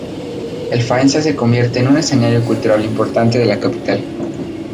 El Faenza se convierte en escenario cultural importante de la capital.